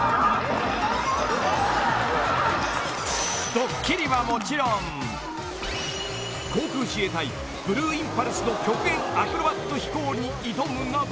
［ドッキリはもちろん航空自衛隊ブルーインパルスの極限アクロバット飛行に挑むなど］